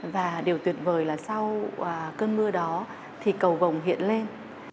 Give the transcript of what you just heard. và điều tuyệt vời là sau cơn mưa đó thì cầu bồng hiện lên